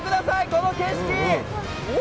この景色。